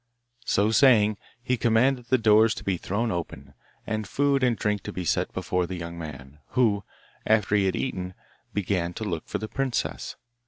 So saying, he commanded the doors to be thrown open, and food and drink to be set before the young man, who, after he had eaten, began to look for the princess.